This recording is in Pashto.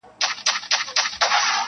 هر څه دروند او بې روحه ښکاري په کور کي-